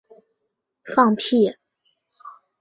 她应该安静地接受被强奸。